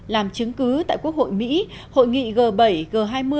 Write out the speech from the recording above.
làm chứng cứ tại quốc hội mỹ hội nghị g bảy g hai mươi